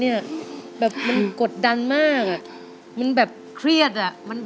นี่ต้องไปเอง